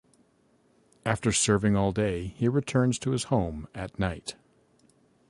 After serving all day he returns to his home at night.